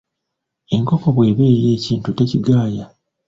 Enkoko bw’eba erya ekintu tekigaaya.